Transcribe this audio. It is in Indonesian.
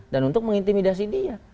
dan untuk mengintimidasi dia